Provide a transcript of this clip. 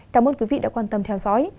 cảm ơn quý vị đã quan tâm theo dõi